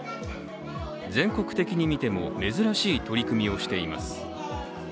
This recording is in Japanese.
全国的に見ても珍しい取り組みをしています。